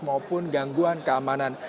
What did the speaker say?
maupun gangguan keamanan